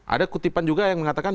ada kutipan juga yang mengatakan